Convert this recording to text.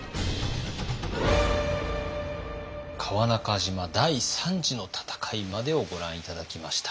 川中島第三次の戦いまでをご覧頂きました。